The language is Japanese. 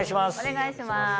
お願いします。